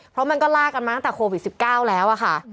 เพราะมันก็ลากกันมาตั้งแต่โควิด๑๙แล้วอะค่ะ